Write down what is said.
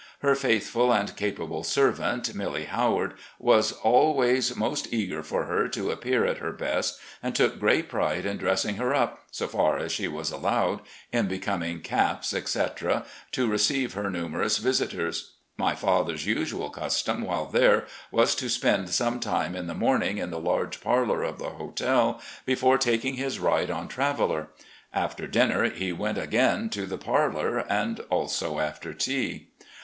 Her faithful and capable servant, MiUy Howard, was always most eager for her to appear at her best, and took great pride in dressing her up, so far as she was allowed, in becoming caps, etc., to receive her numerous visitors. My father's usual custom while there was to spend some time in the morning in the laige parlour of the hotel, before taking his ride on Traveller. After dinner he went again to the parlour, and also after tea.